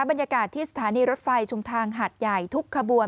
บรรยากาศที่สถานีรถไฟชุมทางหัดใหญ่ทุกขบวน